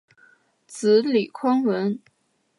子李匡文。